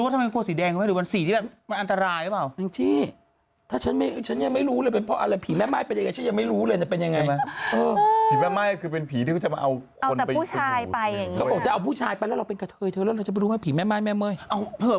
ทำไมกลัวสีแดงล่ะฉันก็ไม่รู้ล่ะแล้วทำไมต้องใส่สีแดง